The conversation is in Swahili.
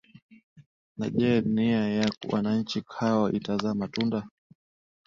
na je nia ya wananchi hawa itazaa matunda